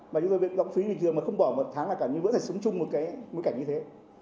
mà chúng tôi vẫn đóng phí bình thường mà không bỏ một tháng là cả những bữa thầy sống chung một cái mối cảnh như thế